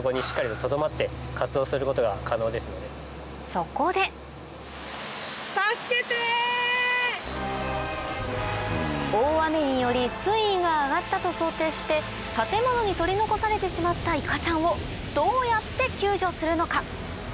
そこで大雨により水位が上がったと想定して建物に取り残されてしまったいかちゃんをどうやって救助するのか？